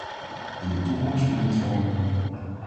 In de toekomst moet dit veranderen.